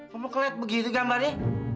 kamu keliat begitu gambarnya